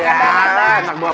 ya anak bapak